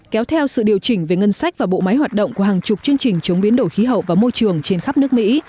kéo theo sự điều chỉnh về ngân sách và bộ máy hoạt động của hàng chục chương trình chống biến đổi khí hậu và môi trường trên khắp nước mỹ